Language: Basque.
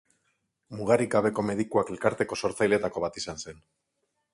Mugarik Gabeko Medikuak elkarteko sortzaileetako bat izan zen.